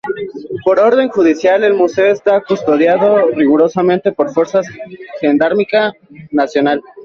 Por orden judicial, el Museo está custodiado rigurosamente por fuerzas de Gendarmería Nacional.